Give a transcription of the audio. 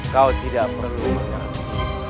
kau tidak perlu mengerti